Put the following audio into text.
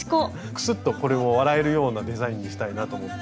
クスッとこれも笑えるようなデザインにしたいなと思って。